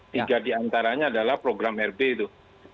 tiga diantaranya adalah program rb itu